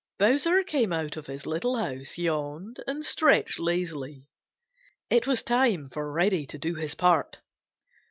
Bowser came out of his little house, yawned and stretched lazily. It was time for Reddy to do his part.